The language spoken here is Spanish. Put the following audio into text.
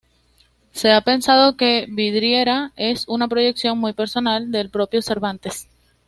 Se ha pensado que Vidriera es una proyección muy personal del propio Cervantes.